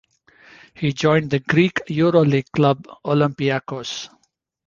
He joined the Greek EuroLeague club Olympiacos.